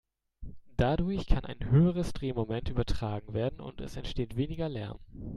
Dadurch kann ein höheres Drehmoment übertragen werden und es entsteht weniger Lärm.